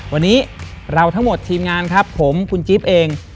วันนี้เราทั้งหมดทีมงานครับผมคุณจิ๊บเอง